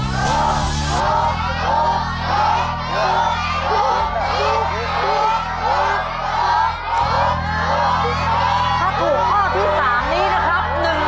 ถ้าถูกข้อที่๓นี้นะครับ